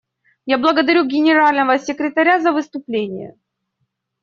Я благодарю Генерального секретаря за выступление.